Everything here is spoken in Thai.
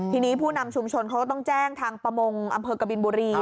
ทีนี้ผู้นำชุมชนเขาก็ต้องแจ้งทางประมงอำเภอกบินบุรี